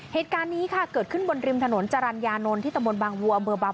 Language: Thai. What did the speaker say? เหตุการณ์นี้ค่ะเกิดขึ้นบนริมถนนจรรยานนท์ที่ตะมนตบางวัวอำเภอบาง